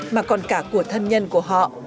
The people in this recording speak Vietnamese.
mà còn cả của thân nhân của họ